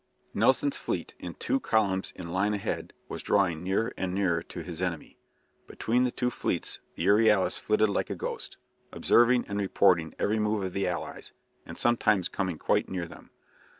Nelson's fleet, in two columns in line ahead, was drawing nearer and nearer to his enemy. Between the two fleets the "Euryalus" flitted like a ghost, observing and reporting every move of the allies, and sometimes coming quite near them.